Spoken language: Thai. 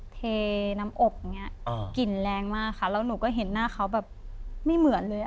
เทน้ำอบอย่างนี้กลิ่นแรงมากค่ะแล้วหนูก็เห็นหน้าเขาแบบไม่เหมือนเลย